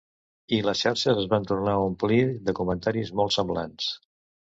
I les xarxes es van tornar a omplir de comentaris molt semblants.